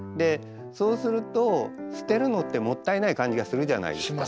そうすると捨てるのってもったいない感じがするじゃないですか。